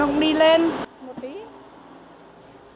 trung bình mỗi chiếc bánh chưng bò đậu